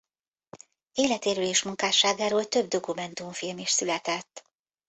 Életéről és munkásságáról több dokumentumfilm is született.